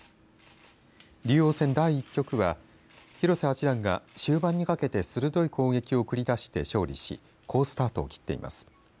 竜王戦第１局は広瀬八段が終盤にかけて鋭い攻撃を繰り出して勝利し好スタートを切っています。